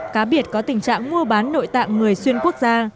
cá biệt có tình trạng mua bán nội tạng người xuyên quốc gia